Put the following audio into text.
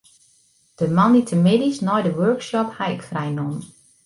De moandeitemiddeis nei de workshop haw ik frij nommen.